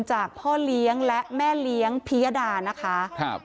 จากพ่อเลี้ยงและแม่เลี้ยงพิยดานะคะ